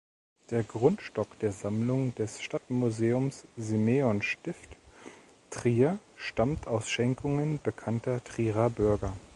Der Grundstock der Sammlung des Stadtmuseums Simeonstift Trier stammt aus Schenkungen bekannter Trierer Bürger.